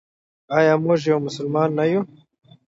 آیا موږ یو مسلمان نه یو؟